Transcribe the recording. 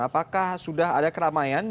apakah sudah ada keramaian